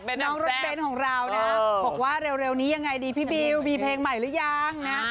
น้องรถเบ้นของเรานะบอกว่าเร็วนี้ยังไงดีพี่บิวมีเพลงใหม่หรือยังนะ